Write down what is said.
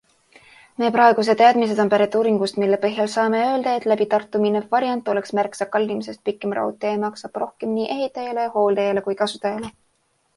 Meie praegused teadmised on pärit uuringust, mille põhjal saame öelda, et läbi Tartu minev variant oleks märksa kallim, sest pikem raudtee maksab rohkem nii ehitajale, hooldajale kui kasutajale.